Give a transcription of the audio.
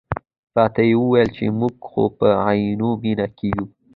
راته یې وویل چې موږ خو په عینومېنه کې یو.